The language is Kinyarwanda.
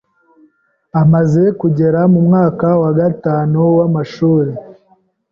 Amaze kugera mu mwaka wa gatanu w’amashuri